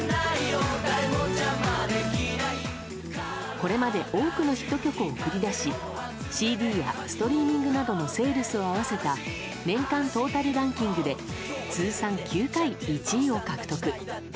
これまで多くのヒット曲を送り出しＣＤやストリーミングなどのセールスを合わせた年間トータルランキングで通算９回、１位を獲得。